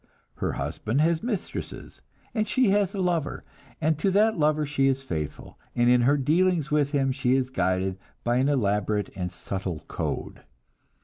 Her husband has mistresses, and she has a lover, and to that lover she is faithful, and in her dealings with him she is guided by an elaborate and subtle code.